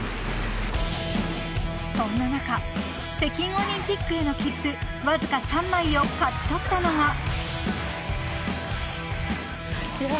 ［そんな中北京オリンピックへの切符わずか３枚を勝ち取ったのが］